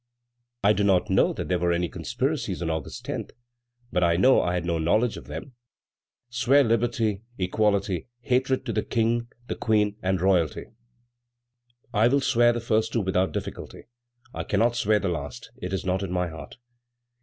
"I do not know that there were any conspiracies on August 10, but I know I had no knowledge of them." "Swear liberty, equality, hatred to the King, the Queen, and royalty." "I will swear the first two without difficulty; I cannot swear the last; it is not in my heart."